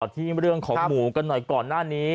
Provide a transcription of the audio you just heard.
ที่เรื่องของหมูกันหน่อยก่อนหน้านี้